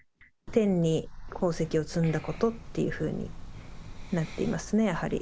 天に功績を積んだことっていうふうになっていますね、やはり。